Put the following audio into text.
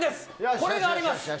これがあります！